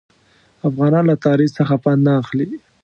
افغانان له تاریخ څخه پند نه اخلي.